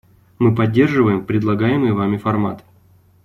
Мы поддерживаем предлагаемый Вами формат.